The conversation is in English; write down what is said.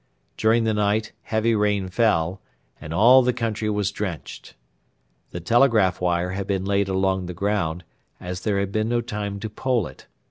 During the night heavy rain fell, and all the country was drenched. The telegraph wire had been laid along the ground, as there had been no time to pole it.